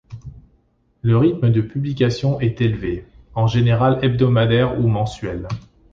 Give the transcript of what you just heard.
Le rythme de publication est élevé, en général hebdomadaire ou mensuel.